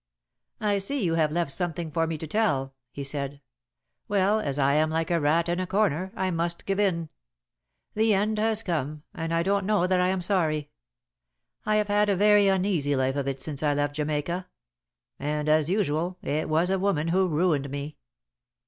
"I see you have left something for me to tell," he said. "Well, as I am like a rat in a corner, I must give in. The end has come, and I don't know that I am sorry. I have had a very uneasy life of it since I left Jamaica. And, as usual, it was a woman who ruined me."